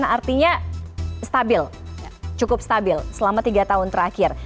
artinya stabil cukup stabil selama tiga tahun terakhir